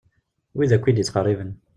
Wid akk iyi-d-ittqerriben.